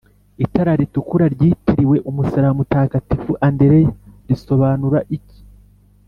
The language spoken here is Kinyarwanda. itara ritukura ryitiriwe umusaraba wa mutagatifu andreya risobanura iki